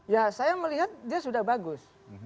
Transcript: ya saya melihat dia sudah bagus